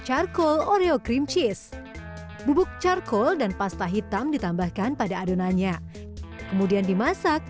charcoal oreo cream cheese bubuk charcoal dan pasta hitam ditambahkan pada adonannya kemudian dimasak